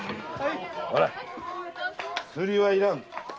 釣りは要らんぞ。